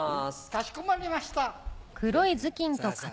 かしこまりました。